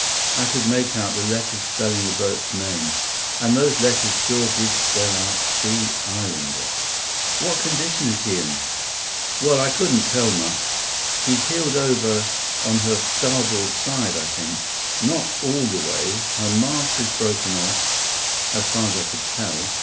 I could make out the letters spelling the boat's name. And those letters sure did spell out Sea Islander." "What condition's she in?" "Well, I couldn't tell much. She's heeled over on her starboard side, I think. Not all the way. Her mast is broken off, as far as I could tell.